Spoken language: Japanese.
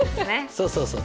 そうそうそう。